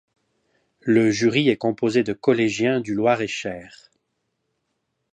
Le jury est composé de collégiens du Loir-et-Cher.